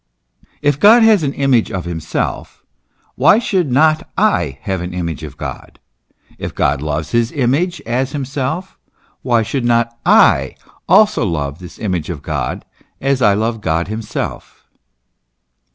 If God has an image of himself, why should not I have an image of God ? If God loves his Image as himself, why should not I also love the Image of God as I love God himself?